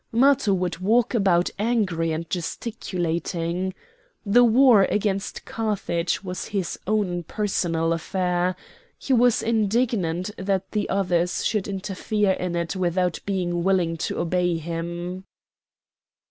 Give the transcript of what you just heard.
Matho would walk about angry and gesticulating. The war against Carthage was his own personal affair; he was indignant that the others should interfere in it without being willing to obey him.